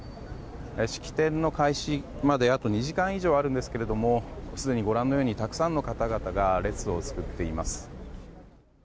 式典の開始まであと２時間以上あるのですけどもすでに、たくさんの方々が列を作っています。